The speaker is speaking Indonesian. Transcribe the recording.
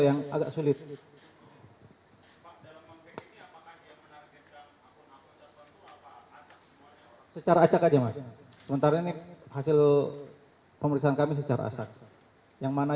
yang agak sulit secara acak aja mas sementara ini hasil pemeriksaan kami secara asat yang mana